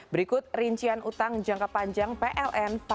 berikut rincian utang jangka panjang pln